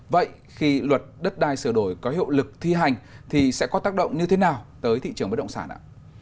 vậy khi luật đất đai sửa đổi có hiệu lực thi hành thì sẽ có tác động như thế nào tới thị trường bất động sản ạ